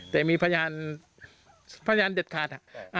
แต่มีพยานเด็ดขาดค่ะ